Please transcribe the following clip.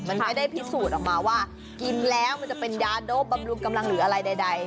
มันไม่ได้พิสูจน์ออกมาว่ากินแล้วมันจะเป็นยาโดบำรุงกำลังหรืออะไรใด